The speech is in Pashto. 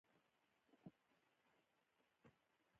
ازادي راډیو د سیاست په اړه د نقدي نظرونو کوربه وه.